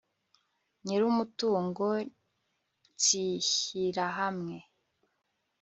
nyir umutungo n sihyirahamwe